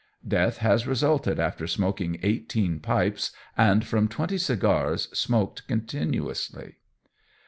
Death has resulted after smoking eighteen pipes, and from twenty cigars smoked continuously.